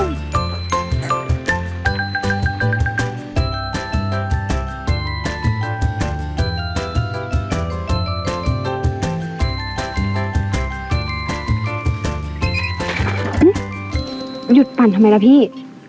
หยุดปั่นทำไมล่ะพี่